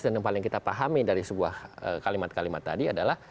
dan yang paling kita pahami dari sebuah kalimat kalimat tadi adalah